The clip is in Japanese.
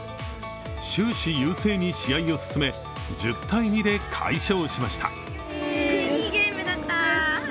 終始優勢に試合を進め１０−２で快勝しました。